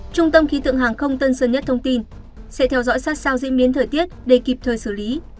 trung tâm khí tượng hàng không tân sơn nhất thông tin sẽ theo dõi sát sao diễn biến thời tiết để kịp thời xử lý